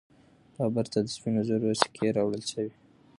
بابر ته د سپینو زرو سکې راوړل سوې.